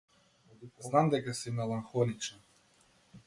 Знам дека си мелахонична.